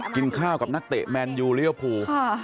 กินข้าวกับนักเตะแมนยูเรียภู